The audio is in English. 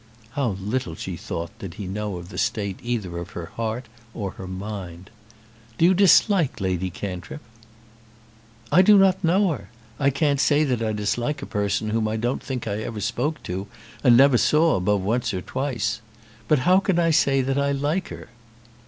How little, she thought, did he know of the state either of her heart or mind! "Do you dislike Lady Cantrip?" "I do not know her. I can't say that I dislike a person whom I don't think I ever spoke to, and never saw above once or twice. But how can I say that I like her?"